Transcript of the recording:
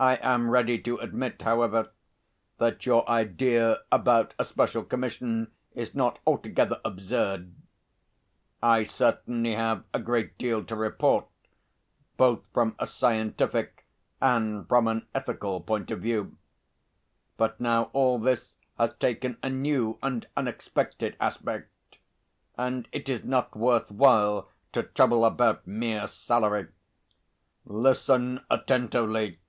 I am ready to admit, however, that your idea about a special commission is not altogether absurd. I certainly have a great deal to report, both from a scientific and from an ethical point of view. But now all this has taken a new and unexpected aspect, and it is not worth while to trouble about mere salary. Listen attentively.